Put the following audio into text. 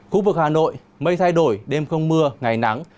khu vực hà nội mây thay đổi đêm không mưa ngày nắng